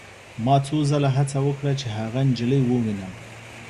ما څو ځله هڅه وکړه چې هغه نجلۍ ووینم